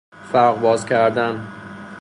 فرق باز کردن